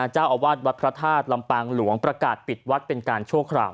เจ้าอาวาสวัดพระธาตุลำปางหลวงประกาศปิดวัดเป็นการชั่วคราว